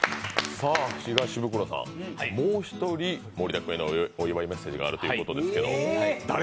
さあ東ブクロさん、もう一人、森田君へのお祝いメッセージがあるということですけど。